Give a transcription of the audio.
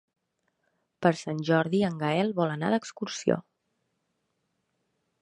Per Sant Jordi en Gaël vol anar d'excursió.